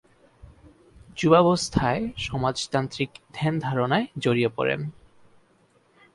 যুবাবস্থায় সমাজতান্ত্রিক ধ্যান-ধারণায় জড়িয়ে পড়েন।